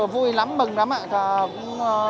vui lắm mừng lắm ạ